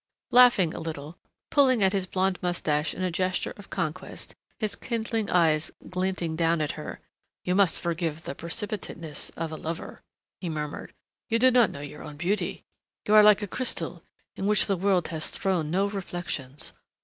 Laughing a little, pulling at his blond mustache in a gesture of conquest, his kindling eyes glinting down at her, "You must forgive the precipitateness of a lover," he murmured. "You do not know your own beauty. You are like a crystal in which the world has thrown no reflections.